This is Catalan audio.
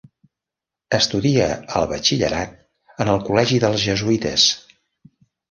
Estudia el batxillerat en el Col·legi dels Jesuïtes.